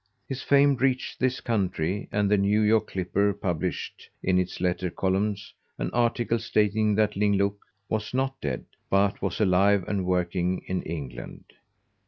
His fame reached this country and the New York Clipper published, in its Letter Columns, an article stating that Ling Look was not dead, but was alive and working in England.